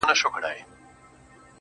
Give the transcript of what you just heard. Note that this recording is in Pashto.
o داسي نه كيږي چي اوونـــۍ كې گـــورم.